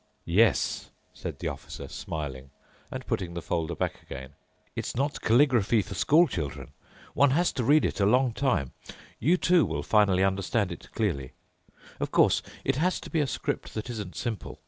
"Yes," said the Officer, smiling and putting the folder back again, "it's not calligraphy for school children. One has to read it a long time. You too will finally understand it clearly. Of course, it has to be a script that isn't simple.